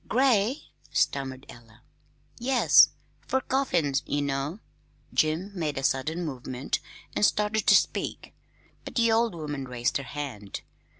"Gray?" stammered Ella. "Yes! fer coffins, ye know." Jim made a sudden movement, and started to speak; but the old woman raised her hand.